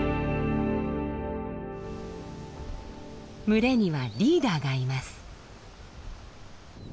群れにはリーダーがいます。